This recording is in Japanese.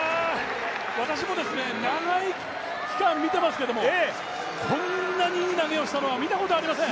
私も長い期間見てますけどこんなにいい投げをしたことは見たことありません！